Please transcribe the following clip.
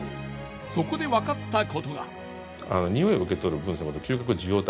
そこでわかったことが。